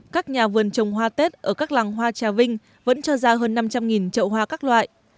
các nhà vườn trồng hoa tết ở các làng hoa trà vinh vẫn cho ra hơn năm trăm linh trậu hoa các loại